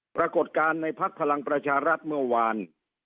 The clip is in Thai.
ปรากฏการณ์ในพักพลังประชารัฐเมื่อวาน